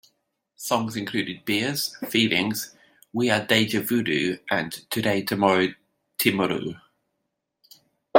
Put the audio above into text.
Songs included "Beers", "Feelings", "We are Deja Voodoo", and "Today Tomorrow Timaru".